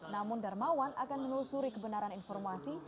namun darmawan akan menelusuri kebenaran informasi